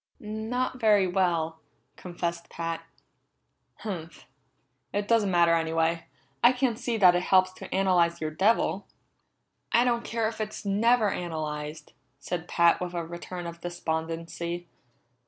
"Not very well," confessed Pat. "Humph! It doesn't matter anyway. I can't see that it helps to analyze your devil." "I don't care if it's never analyzed," said Pat with a return of despondency.